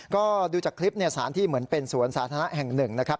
ก็ดูจากคลิปสารที่เหมือนเป็นสวนสาธารณะแห่งหนึ่งนะครับ